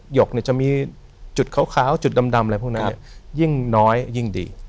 หยกจะมีจุดขาวจุดดำอะไรพวกนั้นยิ่งน้อยยิ่งดี